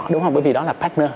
đúng không bởi vì đó là partner